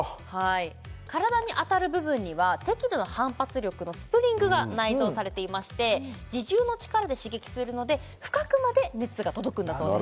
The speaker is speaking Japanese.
体に当たる部分には適度な反発力のスプリングが内臓されていまして自重の力で刺激するので深くまで熱が届くんだそうです